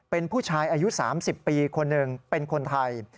เป็นผู้ชายอายุ๓๐ปีคนหนึ่งเป็นคนไทย